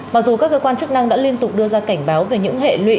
mặc dù các cơ quan chức năng đã liên tục đưa ra cảnh báo về những hệ lụy